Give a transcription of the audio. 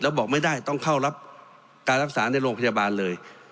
แล้วบอกไม่ได้ต้องเข้ารับการรักษาในโรงพยาบาลเลย